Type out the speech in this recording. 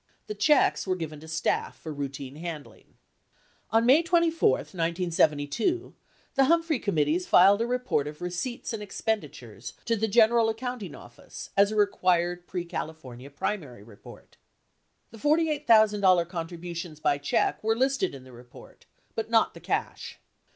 The checks were given to staff for routine handling. On May 24, 1972, the Humphrey committees filed a report of receipts and expenditures to the General Accounting Office as a required pre California primary report. The $48,000 contributions by check were listed in the report, but not the cash.